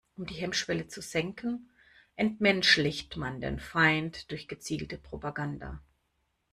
Um die Hemmschwelle zu senken, entmenschlicht man den Feind durch gezielte Propaganda.